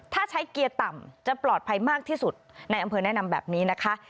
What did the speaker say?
ถ้าใช้เกียร์ต่ำจะปลอดภัยมากที่สุดในอำเภอแนะนำแบบนี้นะคะ